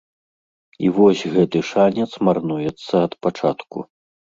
І вось гэты шанец марнуецца ад пачатку.